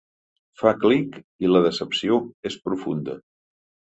Fa clic i la decepció és profunda.